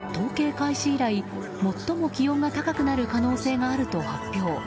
スペインの気象当局は４月としては統計開始以来最も気温が高くなる可能性があると発表。